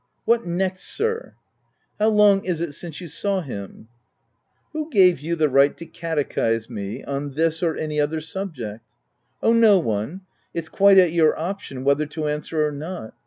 " What next Sir ?" u How long is it since you saw him }'*" Who gave you the right to catechise me, on this or any other subject V " Oh, no one !— it's quite at your option whether to answer or not.